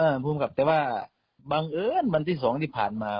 เออผู้กับเต่าะบางเอิญด้านด้านที่๒ที่ผ่านมา